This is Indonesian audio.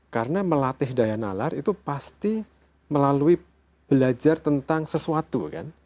karena melatih daya nalar itu pasti melalui belajar tentang sesuatu